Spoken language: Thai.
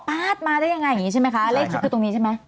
มาได้ยังไงอย่างนี้ใช่ไหมคะเลขชุดคือตรงนี้ใช่ไหม